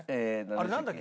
あれなんだっけ？